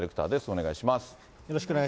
お願いします。